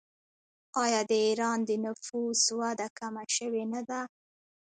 آیا د ایران د نفوس وده کمه شوې نه ده؟